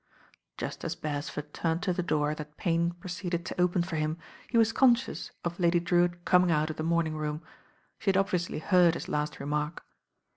Just as Beresford turned to the door that Payne proceeded to open for him, he was conscious of Lady Drewitt coming out of the morning room. She had obviously heard his last remark.